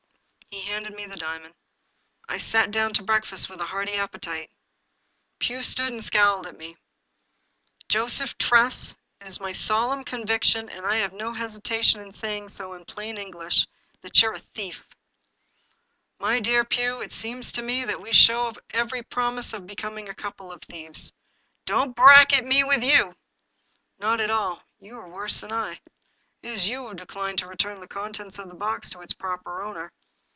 He handed me the diamond. I sat down to breakfast with a hearty appetite. Pugh stood and scowled at me. " Joseph Tress, it is my solemn conviction, and I have no hesitation in saying so in plain English, that you're a thief." " My dear Pugh, it seems to me that we show every promise of becoming a couple of thieves." " Don't bracket me with you !"'' Not at all, you are worse than I. It is you who decline 260 The Puzzle to return the contents of the box to its proper owner.